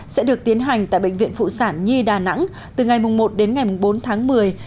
sẽ được tiến hành tại bệnh viện phụ sản nhi đà nẵng từ ngày một đến ngày bốn tháng một mươi